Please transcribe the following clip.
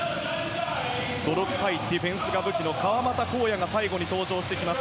泥臭いディフェンスが持ち味の川真田紘也が最後に登場してきます。